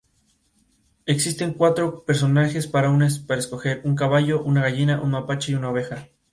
Existen cuatro personajes para escoger: un caballo, una gallina, un mapache y una oveja.